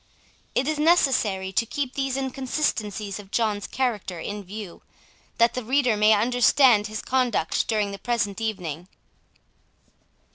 It is necessary to keep these inconsistencies of John's character in view, that the reader may understand his conduct during the present evening.